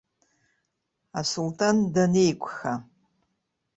Асулҭан данеиқәха.